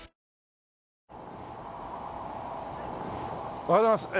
おはようございます。